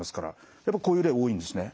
やっぱこういう例多いんですね？